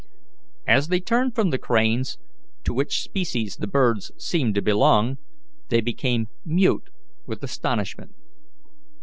As they turned from the cranes, to which species the birds seemed to belong, they became mute with astonishment.